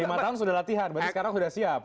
lima tahun sudah latihan berarti sekarang sudah siap